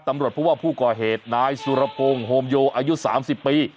ตำรวจเพราะว่าผู้ก่อเหตุนายสุรพงศ์โฮมโยอายุ๓๐ปี